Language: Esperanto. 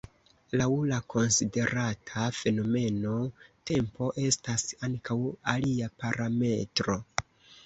Laŭ la konsiderata fenomeno, tempo estas ankaŭ alia parametro.